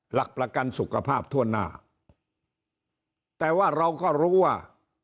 หลักประกันสุขภาพทั่วหน้าแต่ว่าเราก็รู้ว่า